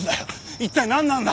一体なんなんだ？